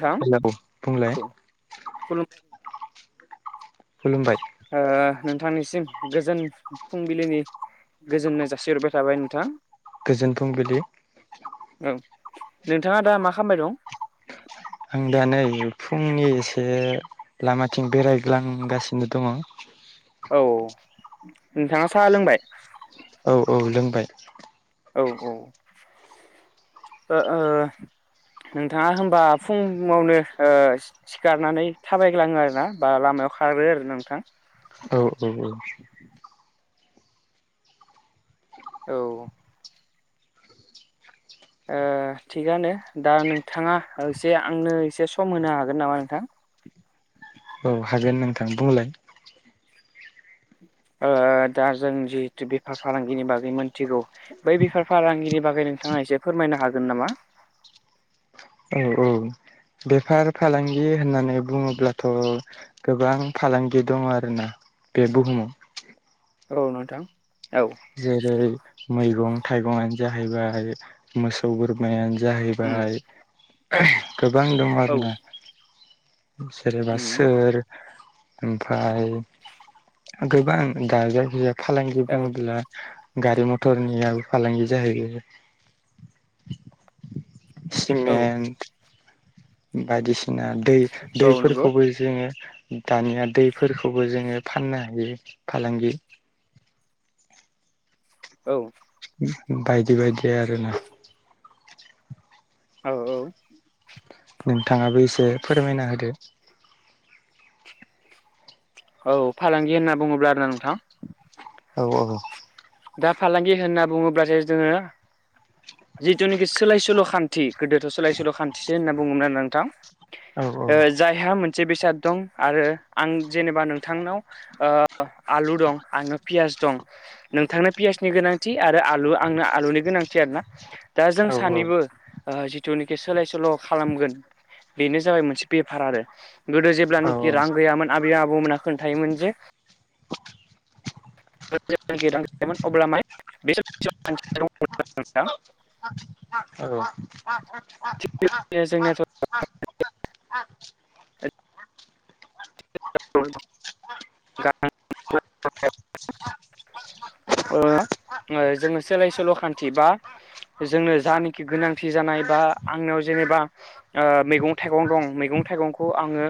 थां हेलौ बुंलाय औ खुलुम खुलुमबाय नोंथांनिसिम गोजोन फुं फुंबिलिनि गोजोननाय जासिहरबाय थाबाय नोंथां। गोजोन फुंबिलि औ नोंथाङा दा मा खालामबाय दं? आं दा नै फुंनि एसे लामाथिं बेरायग्लांगासिनो दङ'। औ नोंथाङा सा लोंबाय? औ औ लोंबाय औ औ ओ ओ नोंथाङा होमबा फुङावनो ओ सिखारनानै थाबायग्लाङो आरोना बा लामायाव खारो आरोना नोंथां। औ औ औ औ ओ थिगानो दा नोंथाङा एसे आंनो एसे सम होनो हागोन नामा नोंथां औ हागोन नोंथां बुंलाय ओ दा जों जिहेथु बेफार फालांगिनि बागै मोनथिगौ बै बेफार फालांगिनि बागै नोंथाङा एसे फोरमायनो हागोन नामा? औ औ बेफार फालांगि होननानै बुङोब्लाथ' गोबां फालांगि दङ' आरोना बे बुहुमाव। औ नोंथां औ। जेरै मैगं-थाइगंनो जाहैबाय मो सौ बोरमायानो उम जाहैबाय गोबां दं औ आरो ना। सोरबा उम सोर ओमफ्राय गोबां दाजाैजा फालांगि औ बुङोब्ला गारि-मथरनि फालांगि जाहैयो। औ सिमेन्ट बायदिसिना दै-दै औ नंगौ फोरखौबो जोङो दानिया दैफोरखौबो जोङो फाननो हायो फालांगि। औ। बायदि-बायदि आरो ना। औ-औ। नोंथाङाबो एसे फोरमायना होदो? औ फालांगि होनना बुङोब्ला आरोना नोंथां। औ-औ। दा फालांगि होनना बुङोब्लासो जोङो जिथुनाखि सोलाय-सोल' खान थि गोदोथ'सोलाय सोल' खान्थिसो होननानै बुङोमोन आरो ना नोंथां। औ ओ जाय बेहा मोनसे बेसाद दं आरो आं जेनेबा नोंथांनाव ओ आलु दं आंनाव पियास दं। नोंथांनो पियासनि गोनांथि आरो आलु आंनो आलुनि गोनांथि आरोना दा औ जों सानैबो ओ जिथुनाखि सोलाय सोल' खालामगोन बेनो जाबाय मोनसे बेफार आरो। गोदो औ जेब्लानाखि रां गैयामोन आबै आबौमोना खोन्थायोमोन। जे [unintelligible] [inaudible] औ। बे जोंना नोथ' [unintelligible] [inaudible] [unintelligible] [inaudible] ओ जोङो सोलाय सोल' खान्थि बा जोंनो जानेखि गोनांथि जानाय बा आंनियाव जेनेबा ओ मैगं थाइगं दं मैगं थाइगंखौ आङो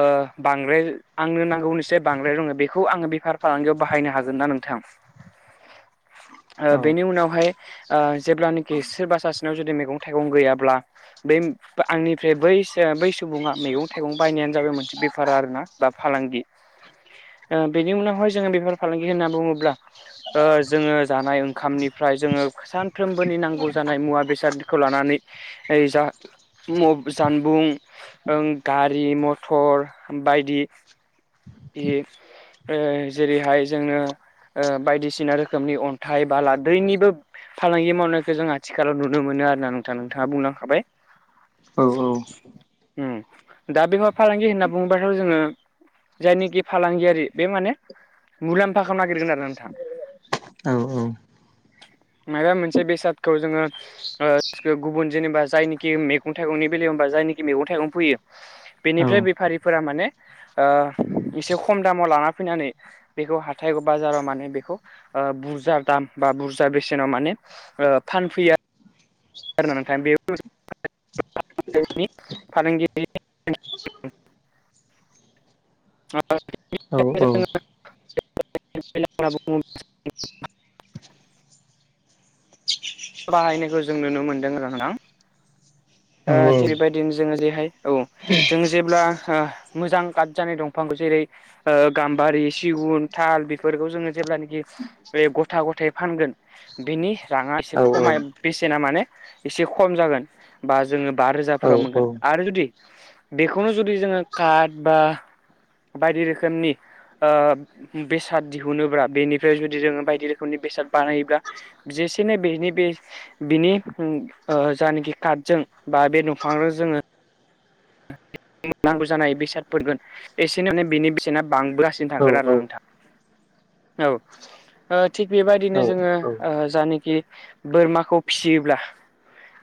ओ बांद्राय आंनो नांगौनिसाय बांद्राय दङो बेखौ आङो बेफार फालांगियाव बाहायनो हागोन ना नोंथां? [inaudible] [unintelligible] ओ औ बेनि उनावहाय जेब्लानोाखि ओ सोरबा सासेनाव जुदि मैगं थाइगं गैयाब्ला। बे आंनिफ्राय बै-बै सुबुङा मैगं थाइगं बायनायानो जाबाय मोनसे बेफार आरोना बा फालांगि। ओ बेनि उनावहाय जोङो बेफार फालांगि होनना बुङोब्ला। ओ जोङो जानाय ओंखामनिफ्राय जोङो सानफ्रोमबोनि नांगौ जानाय मुवा बेसाद खौ लानानै ओय जा मु जानबुं ओं गारि मथर बायदि बियो ओ जेरैहाय जोंङो ओ बायदिसिना रोखोमनि अन्थाइ बाला दैनिबो फालांगि मावनायखौ जों आथिखालाव नुनो मोनो आर ना नोंथाङा नोंथाङा बुंलांखाबाय। औ-औ। उम दा बेफार फालांगि होनना बुङोबाथ' जोङो। जायनिखि फालांगियारि बे माने मुलाम्फा खालामनो नागिरगोन आरो नोंथां। मायबा मोनसे बेसादखौ जोङो ओ गुबुन जेनेबा जायनिखि मैगं थाइगंनि बेलायाव होनबा जायनिखि मैगं थाइगं फोयो। बेनिफ्राय बेफारिफोरा माने ओ एसे खम दामाव लाना फैनानै। बेखौ हाथाइ बाजाराव माने बेखौ ओ बुरजा दाम बा बुरजा बेसेनाव माने ओ फानफैया थां बे फाल [unintelligible] ज [unintelligible] औव औव [unintelligible] बाहायनायखौ जों नुनो मोन्दों आरो नोंथां। ओ थिग बेबायदिनो जोंङो जेहाय औ जोंङो जेब्ला ओ मोजां कात जानाय दंफांखौ जेरै ओ गाम्बारि सिगुन थाल बेफोरखौ जोंङो जेब्लानोखि बे गथा गथायै फानगोन बेनि रांङा एसे खमाय बेसेना माने एसे खम जागोन। बा जोंङो बा रोजाफोराव मोनगोन आरो जुदि बेखौनो जुदि जोङो काट बा बायदि रोखोमनि ओ बेसाद दिहुनोब्ला बेनिफ्राय जुदि जोंङो बायदि रोखोमनि बेसाद बानायोब्ला-' जेसेनो बेनि बे बिनि उम ओ जायनोखि काटजों बा बे दंफांजों जोंङो नांगौ जानाय बेसादफोरखौव एसे माने बिनि बेसेना बांबोगासिनो थागोन आरो नोंथां औव ओ थिग बेबादिनो जोंङो ओ जानखि बोरमाखौ फिसियोब्ला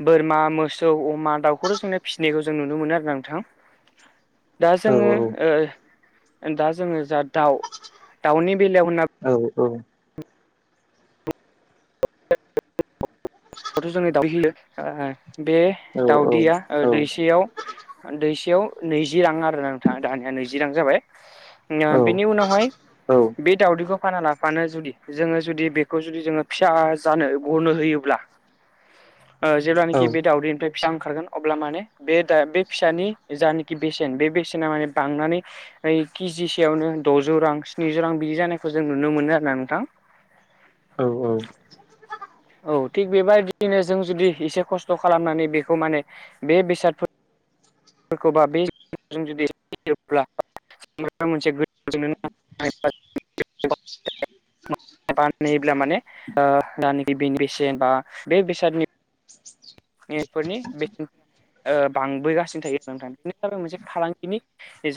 बोरमा मोसौ अमा दाउखौथ' जोंनो फिसिनायखौ जों नुनो मोनो आरो ना नोंथां। दा जोंङो ओ दा जोंङो जा दाउ दाउनि बेलायाव होनना औव औव द [inaudible] थ' जोंनि दाउदै होयो ओ बे हा दाउदैया ओ दैसेयाव दैसेयाव नै जि' रां आरो नोंथांङ दानिया नैैजि' रां जाबाय। बेनि उनावहाय बे दावदैखौ फाना लाफानो जुदि जोंङो जुदि बेखौ जुदि जोंङो फिसा आजाय जानो गनो होयोब्ला जेब्लानाखि बे दावदैनिफ्राय फिसा ओंखारगोन अब्ला माने बे फिसानि जानिखि बेसेन बे बेसेना माने बांनानैय ओ केजि सेयावनो द'जौ रां स्निजौ रां बिदि जानायखौ जों नुनो मोनो आरो ना नोंथां। औव औव। औ थिग बेबायदिनो जों जुदि एसे खस्थ' खालामनानै बेखौ माने बे बेसादफोर खौबा बेजों जुदि बाहायोब्ला सफ मोनसेों [inaudible] -' बानायोब्ला माने ओ दानो गिबिनि बेसेन बा बे बेसादनि बेफोरनि बेसेनफोरा माने ओ बां बोगासिनो थायो आरो नोंथां बेनो जाबाय मोनसे फालांगिनि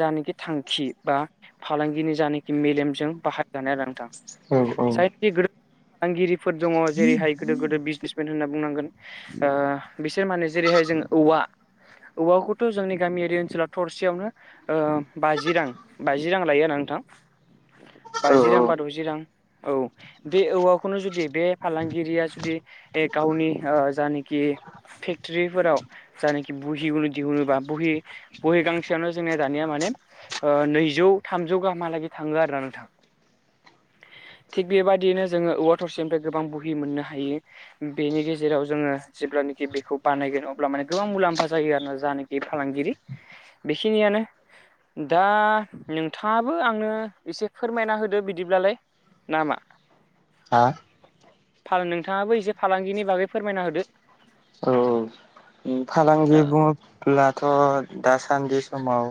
जाना खि थांखि बा फालांगिनि जाना खि मेलेमजों बाहायजानाया नोंथां। साइ फालांगि ग [inaudible] फालांगिरिफोर दंङ जेरैहाय गोदो गोदायनि बिजनेस मेन होनना बुंनांगोन ओजोंहाय। बिसोर माने जेरैहाय जों औवा औवा खौथ' जोंनि गामियारि ओनसोलाव थसे यावनो ओ बाजि रां बाजि रां लायो आरोना नोंथां बाजि रां बा द'जि रां औ बे औवाखौनो जुदि बे फालांगिरिया जुदि ए गावनि ओ जायनाखि फेक्टरिफोराव जानिखि बहि दिहुनोबा बहि गांसेयावनो जोंनि दानिया माने ओ नैजौ थामजौ गाहामहालागै थांङो आरो ना नोंथां। थिग बेबायदिनो जोंङो औवा थसे निफ्राय गोबां बहि मोननो हायो। बेनि गेजेराव जोंङो जेब्लानि बेखौ बानायगोन अब्ला माने गोबां मुलाम्फा जायो आरो जानाखि फालांगिरि। बेखिनियानो दा नोंथाङाबो आंनो एसे फोरमायना होदो बिदिब्लालाय। ना मा? हा? नोंथाङाबो एसे फालांगिनि बागै फोरमायना होदो। फालांगि बुङोब्लाथ' दासान्दि समाव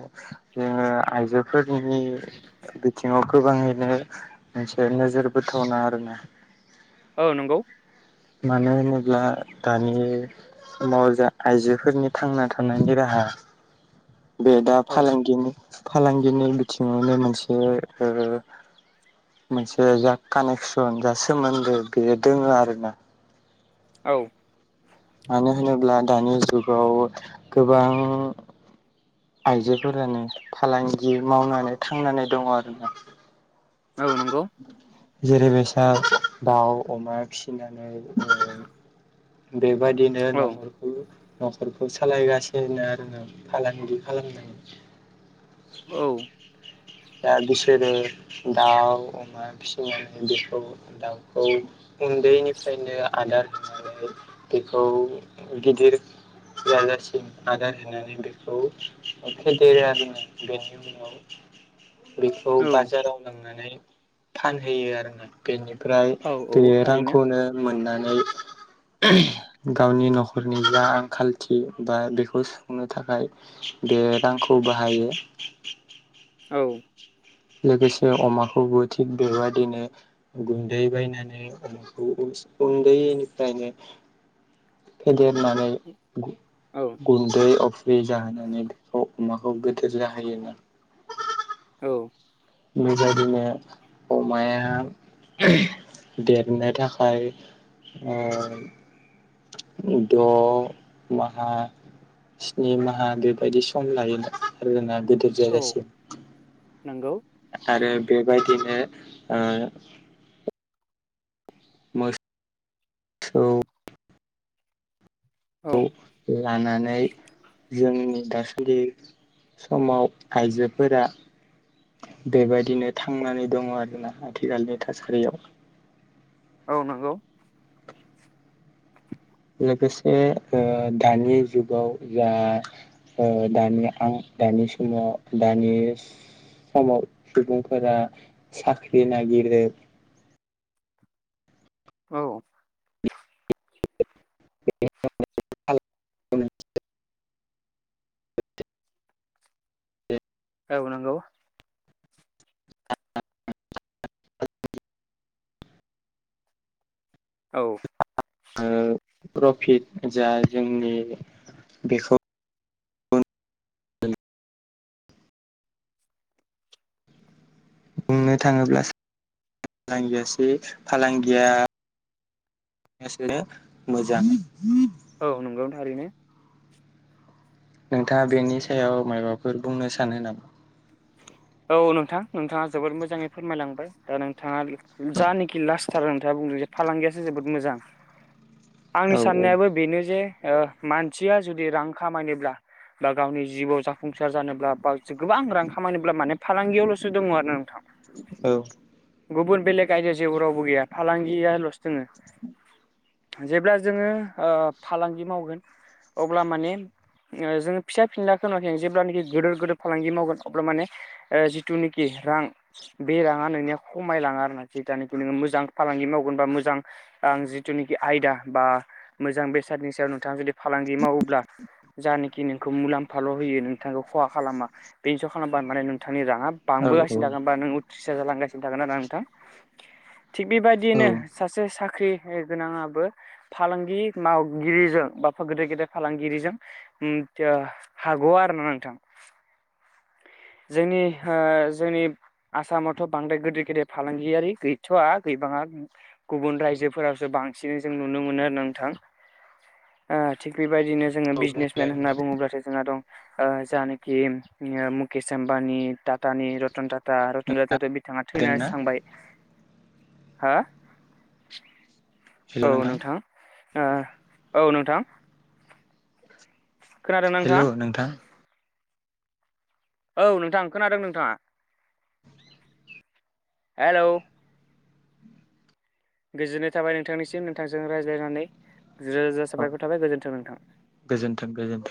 ओ आइजो फोरनि बिथिङाव गोबाङैनो मोनसे नोजोर बोथावना आरोना। औ नंगौ। मानो होनोब्ला दानि मावा आइजोफोरनि थांना थानायनि राहा बे दा औ फालांगिनि फालांगिनि बिथिङावनो मोनसे ओ मोनसे जा कानेकसन जा सोमोन्दो बेयो दोङो आरोना। औ। मानो होनोब्ला दानि जुगाव गोबां आइजोफोरानो फालांगि मावनानै थांनानै दङ आरो ना। औ नंगौ। जेरैबायसा दाउ अमा फिसिनानै ओ बेबायदिनो औ न'खरखौ न'खरखौ सालायगासिनो आरोना फालांगि खालामनानै औ। दा बिसोरो दाव अमा फिसिनाय बेखौ दाउखौ उन्दैनिफ्रायनो आदार होनानै बेखौ गिदिर जाजासिम आदार होनानै बेखौ फेदेरो आरो बेनो बेखौ औ बाजाराव नांनानै फानहैयो आरो ना। बेनिफ्राय औ औ बे थारैनो रांखौनो मोननानै गावनि न'खरनि जा आंखालथि बा बेखौ सुफुंनो थाखाय बे रांखौ बाहायो। औ। लोगोसे अमाखौबो थिग बेबायदिनो गुन्दै बायनानै उन्दैनिफ्रायनो फेदेरनानै औ। गुन्दै अफ्रि जाहोनानै बेखौ अमाखौ गोदोर जाहोयो। औ। बेबायदिनो अमाया देरनो थाखाय ओह द' माहा स्नि माहा बेबायदि सम लायो आरोना गोदिर औ नंगौ। आरो बेबायदिनो ओ औ। औ खौ लानानै जोंनि दासलि समाव आइजोफोरा बेबायदिनो थांनानै दंङो आरोना आथिखालनि थासारियाव। औ नंगौ। लोगोसे ओ दानि जुगाव जा दानि आं दानि समाव दानि समाव सुबुंफोरा साख्रि नागिरो। औ [unintelligible] औ नंगौ। औ ओ प्रफिट जा जोंनि बेखौ बुंनो थांङोब्ला सो फांगियासै फालांगिया। गासिनो मोजां। औ नंगौ थारैनो। नोंथांङा बेनि सायाव मायाबाफोर बुंनो सानो नामा? [inaudible] औ नोंथां नोंथांङा जोबोद मोजाङै फोरमायलांबाय दा नोंथांङा जानोखि लास्टथार नोंथांङा बुंदों जे फालांगियासो जोबोद मोजां आंनि औ साननायाबो बेनो जे ओ मानसिया जुदि रां खामायनोब्ला बा गावनि जिउआव जाफुंसार जानोब्ला बावो गोबां रां खामानोब्ला माने फालांगियावल'सो दङ आरो नोंथां। ओं गुबुन बेलेग आयदाया जेबो रावबो गैया फालांगियाल'सो दोङो। जेब्ला जोंङो ओ फालांगि मावगोन। अब्ला माने जोंङो ओ फिसा फिनलाखनानै जेब्लानाखि गिदोर गोिदोर फालांगि मावगोन। अब्ला माने ओ जिथु खि रां बे राङा नोंनिया खमायलाङा आरो जेथानखि नोङो मोजां फालांगि मावगोन बा मोजां आं जिथुनाखि आयदा बा मोजां बेसादनि सायाव नोंथाङा जुदि फालांगि मावोब्ला। जानाखि नोंखौ मुलाम्फाल' होयो नोंथांखौ खहा खालामा। बे इन्सर खालामबा माने नोंथांनि राङा औ बांबोगानो होनबा नों थ्रिस हाजार लांगासिनो थागोन आरोा नोंथां थिग बेबायदियैनो सासे साख्रि गोनाङाबो। फालांगि मावगिरिजों बा गेदेर गेदेर फालांगिरिजों ओम थिया हागौ आरो ना नोंथां। जोंनि हो जोंनि आसामावथ' बांद्राय गेदर गेदेर फालांगियारि गैथ'आ गैबाङा। गुबुन रायजोफोरावसो बांसिनै जों नुनो मोनो आरो नोंथां। ओ थिग बेबायदिनो। जोङो औ बुंलाय बिजनेसमेन होनना नोंथां। बुङोब्लासो जोंना दं ओ जानाखि केसम्बानि टाटानि रतन टाटा रतन नोंथाङा टाटाथ' बिथाङा थैनानै खोनादोंना सांबाय। हा औ नोंथां। आ औ नोंथां। खोनादों नोंथाङा हेल' नोंथां औ नोंथां खोनादों नोंथाङा? हेलौ गोजोन्नाय थाबाय नोंथांनिसिम नोंथांजों रायज्लायनानै रोजा रोजा औ साबायखर थाबाय गोजोन्थों नोंथां। गोजोन्थों गोजोन्थों।